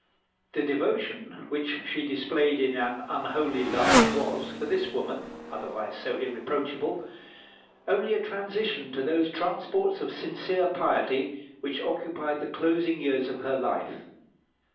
The devotion which she displayed in an unholy love was, for this woman, otherwise so irreproachable, only a transition to those transports of sincere piety which occupied the closing years of her life.